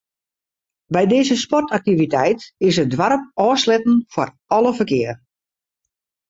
By dizze sportaktiviteit is it doarp ôfsletten foar alle ferkear.